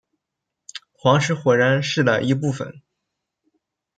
黄石火山是的一部分。